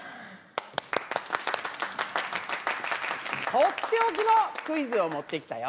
取って置きのクイズを持ってきたよ。